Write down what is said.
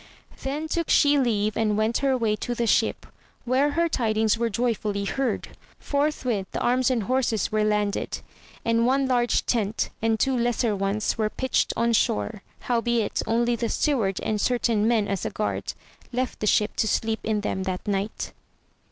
Then took she leave and went her way to the ship, where her tidings were joyfully heard ; forthwith the arms and horses were landed, and one large tent, and two lesser ones were pitched on shore, howbeit, only the steward and certain men as a guard left the ship to sleep in them that night.